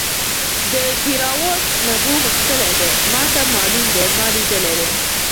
د دیراوت نبو غښتلی دی ماته معلوم دی ما لیدلی دی.